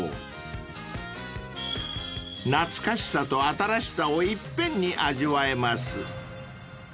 ［懐かしさと新しさをいっぺんに味わえます］